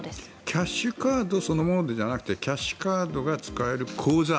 キャッシュカードそのものじゃなくてキャッシュカードが使える口座